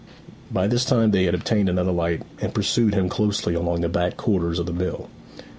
By this time they had obtained another light, and pursued him closely along the back quarters of the mill.